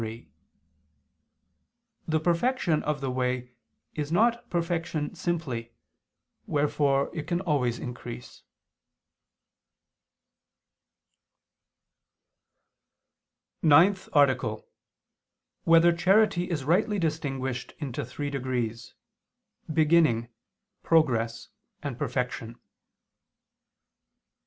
3: The perfection of the way is not perfection simply, wherefore it can always increase. _______________________ NINTH ARTICLE [II II, Q. 24, Art. 9] Whether Charity Is Rightly Distinguished into Three Degrees, Beginning, Progress, and Perfection?